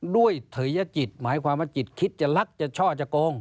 ด้วยเถยกิจหมายความว่าจิตคิดจะรักจะช่อจะโกง